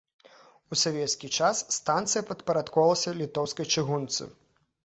У савецкі час станцыя падпарадкоўвалася літоўскай чыгунцы.